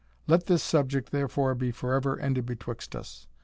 Let this subject, therefore, be forever ended betwixt us.